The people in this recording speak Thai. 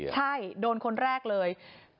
ใช่โดนคนแรกเลย